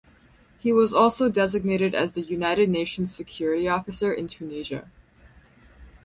He was also designated as the United Nations Security Officer in Tunisia.